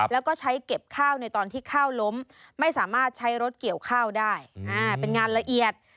แล้วก็ใช้เก็บข้าวในตอนที่ข้าวล้มไม่สามารถใช้รถเกี่ยวข้าวได้เป็นงานละเอียด